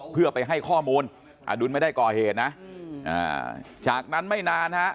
เพื่อไปให้ข้อมูลอดุลไม่ได้ก่อเหตุนะจากนั้นไม่นานฮะ